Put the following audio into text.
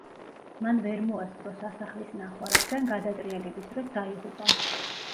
მან ვერ მოასწრო სასახლის ნახვა, რადგან გადატრიალების დროს დაიღუპა.